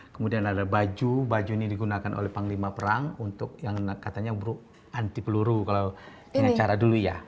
kemudian ada baju baju ini digunakan oleh panglima perang untuk yang katanya anti peluru kalau dengan cara dulu ya